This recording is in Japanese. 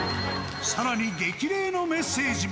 さらに激励のメッセージも。